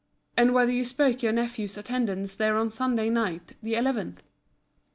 and whether you bespoke your nephew's attendance there on Sunday night the 11th?